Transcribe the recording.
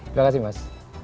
terima kasih mas